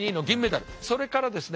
それからですね